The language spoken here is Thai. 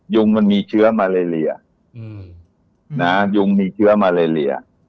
มันมีเชื้อมาเลเลียยุงมีเชื้อมาเลเลีย